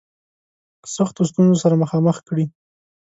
سختو ستونزو سره مخامخ کړي.